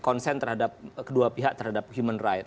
konsen terhadap kedua pihak terhadap human right